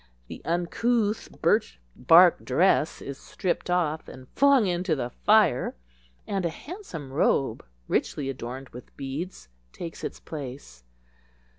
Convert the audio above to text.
The uncouth birch bark dress is stripped off and flung into the fire, and a handsome robe, richly adorned with beads, takes its place.